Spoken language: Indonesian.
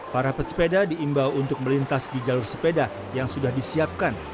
para pesepeda diimbau untuk melintas di jalur sepeda yang sudah disiapkan